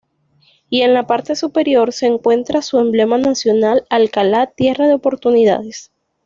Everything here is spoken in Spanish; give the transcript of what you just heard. Y en la parte superior se encuentra su emblema nacional: "Alcala Tierra de Oportunidades".